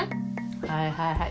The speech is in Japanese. はいはいはい。